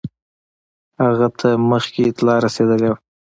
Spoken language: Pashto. هغه ته مخکي اطلاع رسېدلې وه.